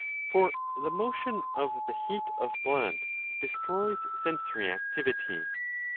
For the motion of the heat of blood destroys sensory activity.